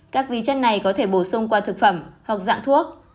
các vi chất này có thể bổ sung qua thực phẩm hoặc dạng thuốc